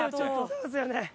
そうですよね。